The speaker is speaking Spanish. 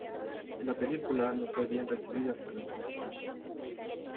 La película no fue bien recibida por la crítica.